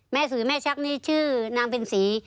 แม่ซื้อแม่ชักนี่ชื่อนางเป็นศรี